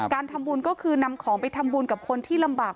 การทำบุญก็คือนำของไปทำบุญกับคนที่ลำบาก